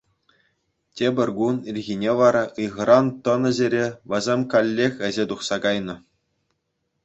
Тепӗр кун ирхине вара ыйхӑран тӑнӑ ҫӗре вӗсем каллех ӗҫе тухса кайнӑ.